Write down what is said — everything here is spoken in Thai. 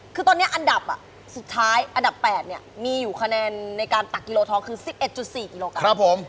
คือตอนนี้อันดับสุดท้ายอันดับ๘เนี่ยมีอยู่คะแนนในการตักกิโลทองคือ๑๑๔กิโลกรัม